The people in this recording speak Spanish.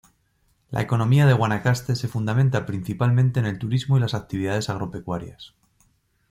La economía de Guanacaste se fundamenta principalmente en el turismo y las actividades agropecuarias.